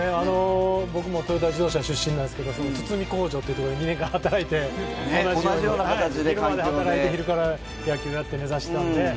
僕もトヨタ自動車出身なんですけど堤工場というところで２年間働いて、同じような環境で働いて、それから野球をやっていたので。